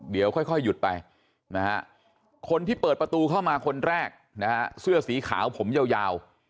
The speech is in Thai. เดี๋ยวค่อยหยุดไปนะฮะคนที่เปิดประตูเข้ามาคนแรกนะฮะเสื้อสีขาวผมยาว